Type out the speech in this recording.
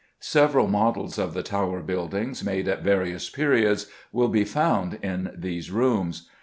Several models of the Tower buildings, made at various periods, will be found in these rooms.